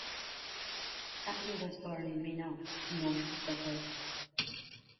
Abney was born in Minot, North Dakota.